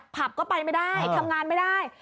ผับก็ไปไม่ได้ทำงานไม่ได้